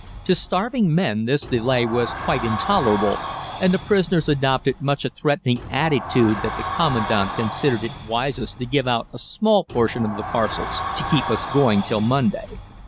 To starving men this delay was quite intolerable, and the prisoners adopted such a threatening attitude that the Commandant considered it wisest to give out a small portion of the parcels to keep us going till Monday.